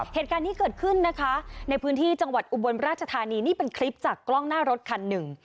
เหตุการณ์นี้เกิดขึ้นนะคะในพื้นที่จังหวัดอุบลราชธานีนี่เป็นคลิปจากกล้องหน้ารถคันหนึ่ง